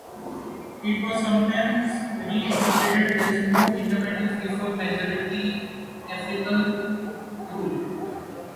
It was sometimes reinterpreted as no independence before majority African rule.